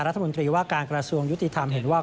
รัฐมนตรีว่าการกระทรวงยุติธรรมเห็นว่า